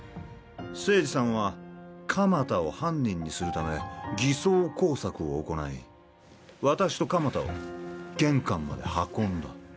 清二さんは鎌田を犯人にするため偽装工作を行い、私と鎌田を玄関まで運んだ。